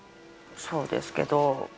そうですけどぉ。